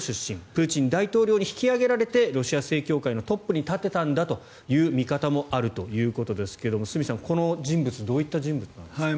プーチン大統領に引き上げられてロシア正教会のトップに立てたんだという見方もあるということですが角さん、この人物どういった人物ですか。